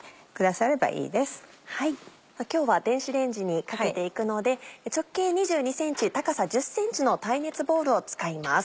さぁ今日は電子レンジにかけていくので直径２２ｃｍ高さ１０ｃｍの耐熱ボウルを使います。